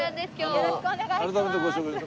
よろしくお願いします。